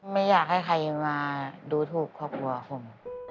ไม่อยากให้ใครมาดูถูกครอบครัวผม